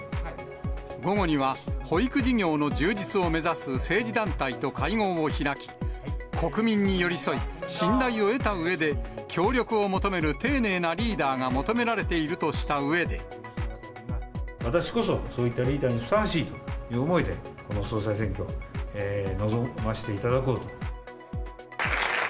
午後には保育事業の充実を目指す政治団体と会合を開き、国民に寄り添い、信頼を得たうえで協力を求める丁寧なリーダーが求められていると私こそ、そういったリーダーにふさわしいとの思いで、この総裁選挙に臨ませていただこうと。